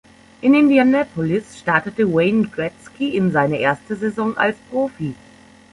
In Indianapolis startete Wayne Gretzky in seine erste Saison als Profi.